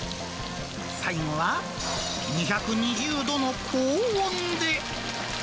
最後は２２０度の高温で。